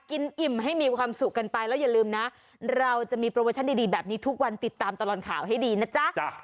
อิ่มให้มีความสุขกันไปแล้วอย่าลืมนะเราจะมีโปรโมชั่นดีแบบนี้ทุกวันติดตามตลอดข่าวให้ดีนะจ๊ะ